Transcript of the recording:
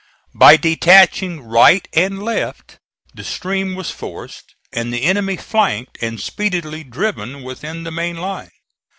By detaching right and left the stream was forced and the enemy flanked and speedily driven within the main line.